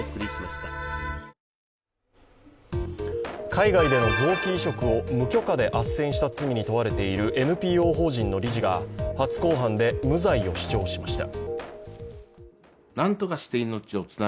海外での臓器移植を無許可であっせんした罪に問われているＮＰＯ法人の理事が初公判で無罪を主張しました。